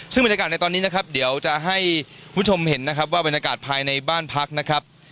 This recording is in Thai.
ซึ่งบรรยากาศในตอนนี้นะครับเดี๋ยวจะให้คุณผู้ชมเห็นนะครับว่าบรรยากาศภายในบ้านพักนะครับ